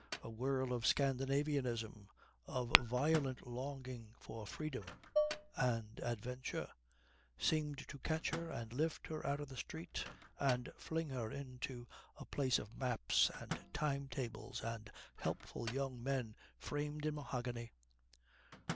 A whirl of Scandinavianism, of violent longing for freedom and adventure, seemed to catch her and lift her out of the street and fling her into a place of maps and time tables and helpful young men framed in mahogany.